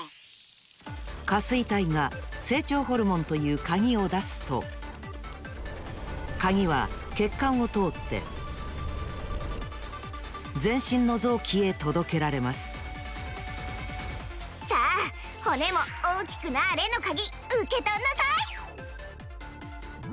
下垂体が成長ホルモンというカギをだすとカギはけっかんをとおってぜんしんのぞうきへとどけられますさあ骨も大きくなれのカギうけとんなさい！